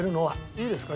いいですか？